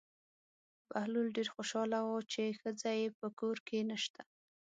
بهلول ډېر خوشحاله و چې ښځه یې په کور کې نشته.